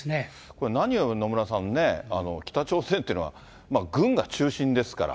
これ、何より野村さんね、北朝鮮というのは、軍が中心ですから。